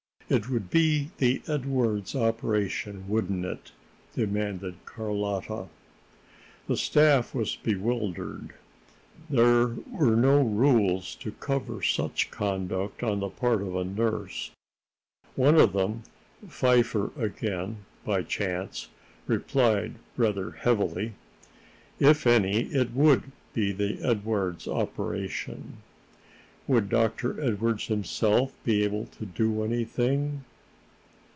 "It would be the Edwardes operation, wouldn't it?" demanded Carlotta. The staff was bewildered. There were no rules to cover such conduct on the part of a nurse. One of them Pfeiffer again, by chance replied rather heavily: "If any, it would be the Edwardes operation." "Would Dr. Edwardes himself be able to do anything?"